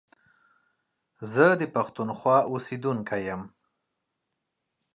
زه دا پښتونخوا اوسيدونکی يم.